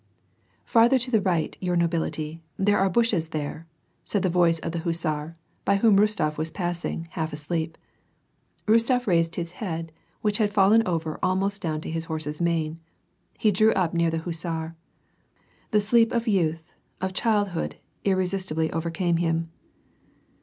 '^Farther to the right, your nobility, there are bushes there !" said the voice of the hussar, by whom Rostof was passing, half asleep. Rostof raised his head, which had fallen over almost down to the horse's mane ; he drew up near the hussar. The sleep of youth, of childhood, irresistibly overcame him.